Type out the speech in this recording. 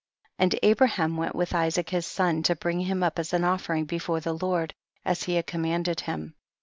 And Abraham went with Isaac his son to bring him up as an oflfering before the Lord, as he had commanded him.